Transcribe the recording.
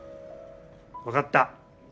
分かった。